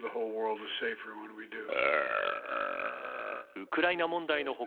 ウクライナ問題の他